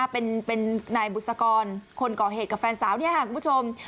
เป็นนายบุษกรคนก่อเหตุกับแฟนสาวนี่ค่ะคุณผู้ชม